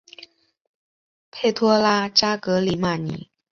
佩托拉扎格里马尼。